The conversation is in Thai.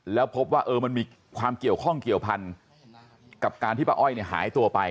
แล้วพบว่ามันมีความเกี่ยวข้องเกี่ยวพันกับการที่ป้าอ้อยหายตัวไป